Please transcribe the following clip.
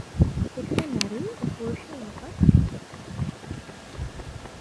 সেখানে নারী ও পুরুষের অনুপাত এক-চতুর্থাংশ।